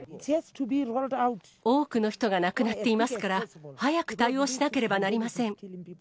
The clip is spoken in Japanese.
多くの人が亡くなっていますから、早く対応しなければなりません。